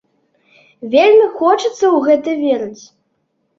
Вельмі хочацца ў гэта верыць!